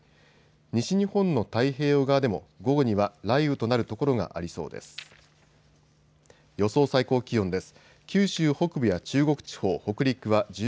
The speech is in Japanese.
西日本の太平洋側でも午後には雷雨となる所がありそうです。